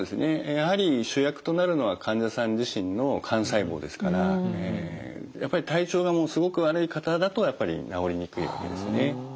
やはり主役となるのは患者さん自身の幹細胞ですからやっぱり体調がもうすごく悪い方だとやっぱり治りにくいわけですね。